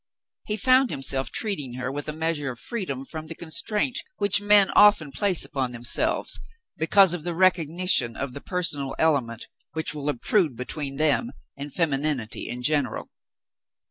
He found himself treating her with a measure of freedom from the constraint which men often place upon themselves because of the recognition of the personal element which will obtrude between them and femininity in general.